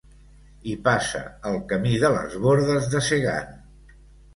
Hi passa el Camí de les Bordes de Segan.